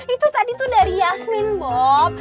itu tadi tuh dari yasmin bob